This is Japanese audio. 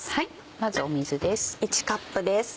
まず水です。